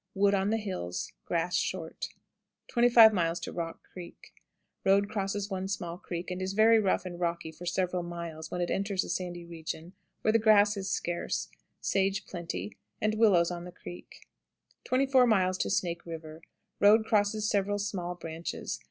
Wood on the hills; grass short. 25. Rock Creek. Road crosses one small creek, and is very rough and rocky for several miles, when it enters a sandy region, where the grass is scarce; sage plenty, and willows on the creek. 24. Snake River. Road crosses several small branches.